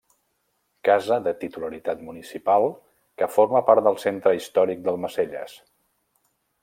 Casa de titularitat municipal que forma part del centre històric d'Almacelles.